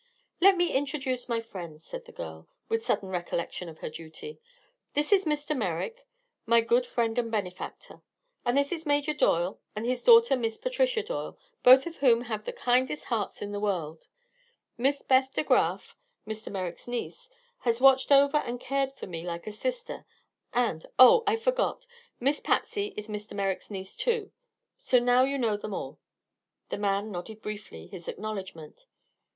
"Let me introduce my friends," said the girl, with sudden recollection of her duty. "This is Mr. Merrick, my good friend and benefactor; and this is Major Doyle and his daughter Miss Patricia Doyle, both of whom have the kindest hearts in the world; Miss Beth De Graf, Mr. Merrick's niece, has watched over and cared for me like a sister, and oh, I forgot; Miss Patsy is Mr. Merrick's niece, too. So now you know them all." The man nodded briefly his acknowledgment.